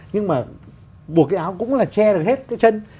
nhưng mà buộc cái áo cũng là che được hết cái chân